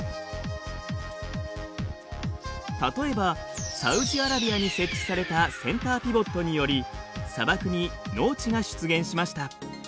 例えばサウジアラビアに設置されたセンターピボットにより砂漠に農地が出現しました。